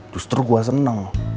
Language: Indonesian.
justru gue senang